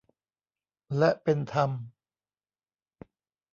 และเป็นธรรม